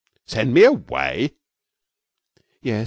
'Send me away!' 'Yes.